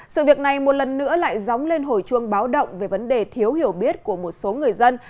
sự việc này một lần nữa lại dóng lên hồi chuông báo động về vấn đề thiếu hiểu biết của một số người dân